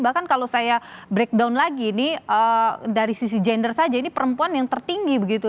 bahkan kalau saya breakdown lagi ini dari sisi gender saja ini perempuan yang tertinggi begitu